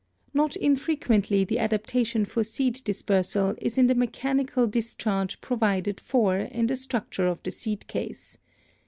Not infrequently the adaptation for seed dispersal is in the mechanical discharge provided for in the structure of the seed case.